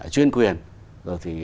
chuyên quyền rồi thì